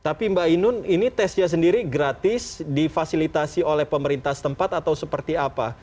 tapi mbak ainun ini tesnya sendiri gratis difasilitasi oleh pemerintah setempat atau seperti apa